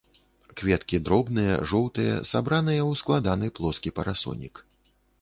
Кветкі дробныя, жоўтыя, сабраныя ў складаны плоскі парасонік.